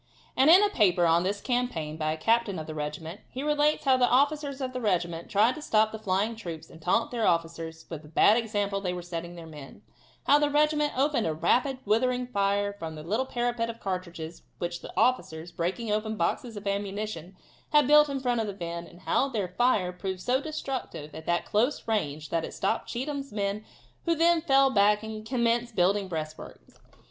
And in a paper on this campaign by a captain of the regiment, he relates how the officers of the regiment tried to stop the flying troops, and taunted their officers with the bad example they were setting their men; how the regiment opened a rapid, withering fire from a little parapet of cartridges which the officers, breaking open boxes of ammunition, had built in front of the men, and how their fire proved so destructive at that close range that it stopped Cheatham's men who then fell back and commenced building breastworks.